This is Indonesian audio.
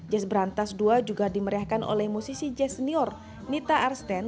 jazz berantas ii juga di meriahkan oleh musisi jazz senior nita arsten